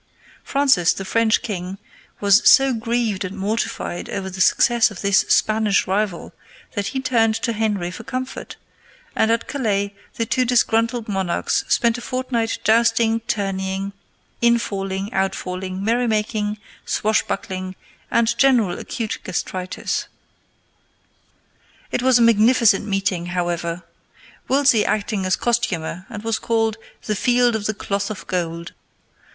Francis, the French king, was so grieved and mortified over the success of his Spanish rival that he turned to Henry for comfort, and at Calais the two disgruntled monarchs spent a fortnight jousting, tourneying, in falling, out falling, merry making, swashbuckling, and general acute gastritis. [Illustration: THE FIELD OF THE CLOTH OF GOLD.] It was a magnificent meeting, however, Wolsey acting as costumer, and was called "The Field of the Cloth of Gold."